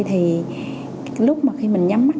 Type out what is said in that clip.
thì lúc mà khi mình nhắm mắt